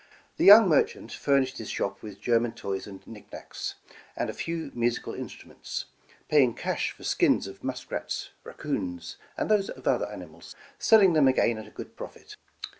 The young merchant furnished his shop with Ger man toys and knicknacks, and a few musical instru ments, paying cash for skins of muskrats, raccoons, and those of other animals, selling them again at a good profit.